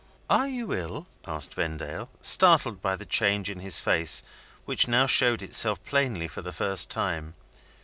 "Are you ill?" asked Vendale, startled by the change in his face, which now showed itself plainly for the first time.